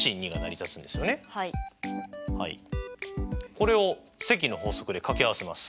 これを積の法則で掛け合わせます。